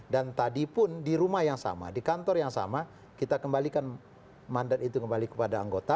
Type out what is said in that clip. dan tadi pun di rumah yang sama di kantor yang sama kita kembalikan mandat itu kembali kepada anggota